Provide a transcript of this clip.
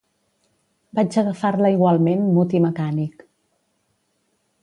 Vaig agafar-la igualment mut i mecànic.